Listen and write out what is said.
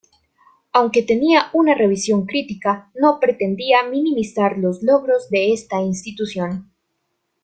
Aunque tenía una revisión crítica, no pretendía minimizar los logros de esta institución.